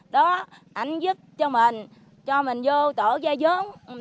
đó anh giúp cho mình cho mình vô tổ gia giống